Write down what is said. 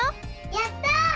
やった！